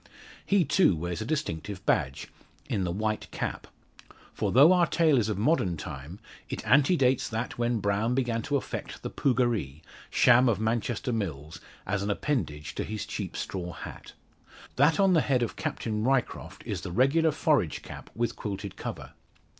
He, too, wears a distinctive badge in the white cap. For though our tale is of modern time, it antedates that when Brown began to affect the pugaree sham of Manchester Mills as an appendage to his cheap straw hat. That on the head of Captain Ryecroft is the regular forage cap with quilted cover.